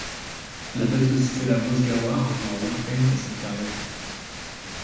La batteuse Stella Mozgawa rejoint Warpaint à cette période.